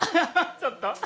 ちょっと。